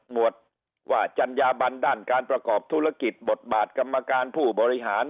หมดว่าจัญญาบันด้านการประกอบธุรกิจบทบาทกรรมการผู้บริหาร